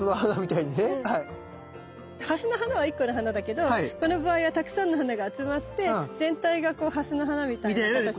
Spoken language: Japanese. ハスの花は１個の花だけどこの場合はたくさんの花が集まって全体がこうハスの花みたいな形に見える。